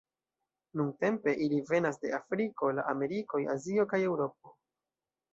Nuntempe ili venas de Afriko, la Amerikoj, Azio kaj Eŭropo.